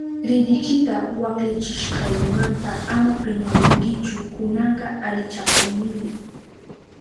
Ridikita waklichishkaynimanta ama piñarinkichu, kunanka alichahunimi.